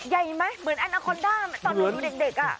ใหญ่ไหมเหมือนแอนาคอร์นด้าตอนหนูดูเด็กอ่ะ